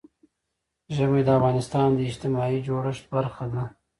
ژمی د افغانستان د اجتماعي جوړښت برخه ده.